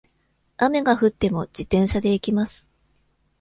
雨が降っても、自転車で行きます。